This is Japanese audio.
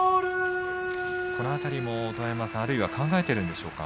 このあたりもあるいは考えているんでしょうか。